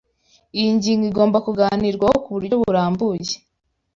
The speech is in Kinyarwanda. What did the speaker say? Iyi ngingo igomba kuganirwaho ku buryo burambuye.